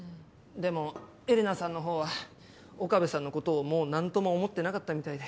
でもエレナさんの方は岡部さんのことをもう何とも思ってなかったみたいで。